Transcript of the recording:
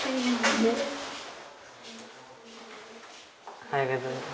おはようございます。